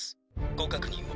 ご確認を」。